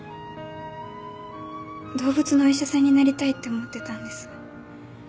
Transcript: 動物のお医者さんになりたいって思ってたんです